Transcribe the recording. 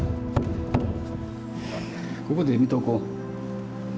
ここで見とこう。